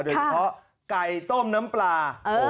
โดยเฉพาะไก่ต้มน้ำปลา